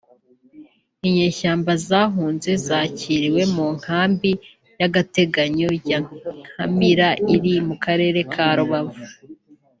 Inyeshyamba zahunze zakiriwe mu nkambi y’agateganyo ya Nkamira iri mu Karere ka Rubavu